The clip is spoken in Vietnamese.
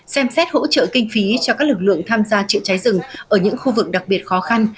xem xét hỗ trợ kinh phí cho các lực lượng tham gia trụ cháy rừng ở những khu vực đặc biệt khó khăn